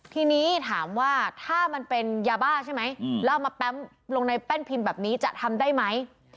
ทีนี้ถามว่าถ้ามันเป็นยาบ้าใช่ไหมแล้วเอามาแป๊บลงในแป้นพิมพ์แบบนี้จะทำได้ไหม